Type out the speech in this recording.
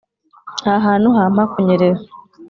aha hantu hampa kunyerera.